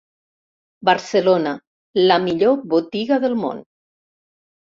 Barcelona, “la millor botiga del món”.